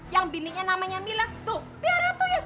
yang bininya namanya mila tuh biarnya tuh yul